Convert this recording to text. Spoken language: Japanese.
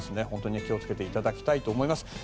本当に気を付けていただきたいと思います。